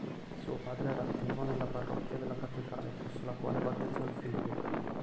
Suo padre era attivo nella parrocchia della cattedrale presso la quale battezzò il figlio.